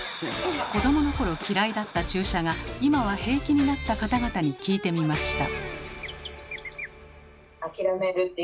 子どものころ嫌いだった注射が今は平気になった方々に聞いてみました。